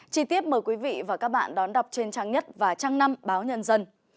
chí tiết mời quý vị và các bạn đón đọc trên trang nhất và trang năm báo nhân dân